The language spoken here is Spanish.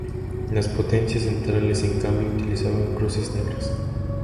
Las potencias centrales, en cambio, utilizaban cruces negras.